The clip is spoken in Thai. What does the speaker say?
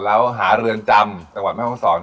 แล้วหาเรือนจำจังหวัดแม่ห้องศร